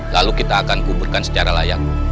lalu kita akan kuburkan secara layak